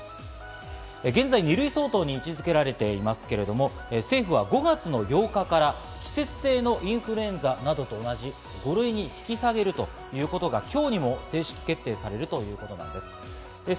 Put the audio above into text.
現在、２類相当に位置付けられていますけれども、政府は５月の８日から季節性のインフルエンザなどと同じ５類に引き下げるということが今日にも正式決定されるということです。